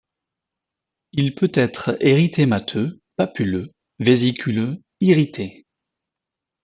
Il peut être érythémateux, papuleux, vésiculeux, irrité.